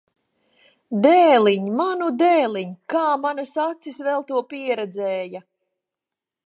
Dēliņ! Manu dēliņ! Kā manas acis vēl to pieredzēja!